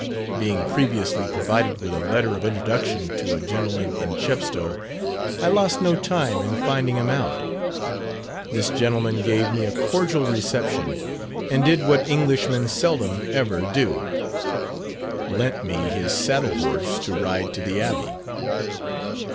Being previously provided with a letter of introduction to a gentleman in Chepstow, I lost no time in finding him out. This gentleman gave me a cordial reception, and did what Englishmen seldom ever do, lent me his saddle horse to ride to the Abbey.